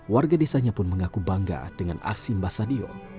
warga desanya pun mengaku bangga dengan aksi mbah sadio